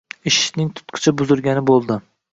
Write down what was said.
Eshikning tutqichi buzilgani boʻldi.